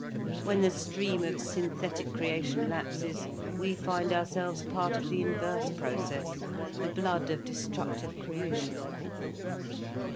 "When the stream of synthetic creation lapses, we find ourselves part of the inverse process, the blood of destructive creation.